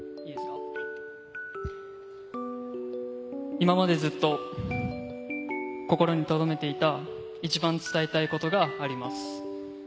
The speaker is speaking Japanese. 今までずっと、心に留めていた一番伝えたいことがあります。